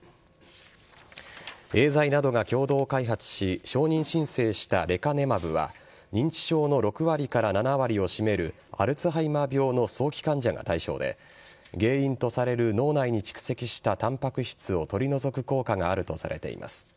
エーザイなどが共同開発し、承認申請したレカネマブは、認知症の６割から７割を占めるアルツハイマー病の早期患者が対象で、原因とされる脳内に蓄積したたんぱく質を取り除く効果があるとされています。